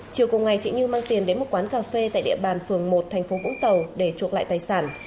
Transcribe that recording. chiều cùng ngày chị như mang tiền đến một quán cà phê tại địa bàn phường một thành phố vũng tàu để chuộc lại tài sản